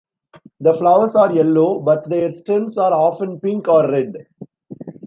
The flowers are yellow, but their stems are often pink or red.